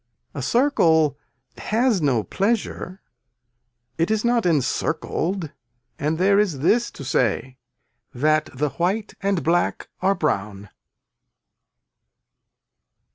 A circle has no pleasure, it is not encircled and there is this to say that the white and black are brown.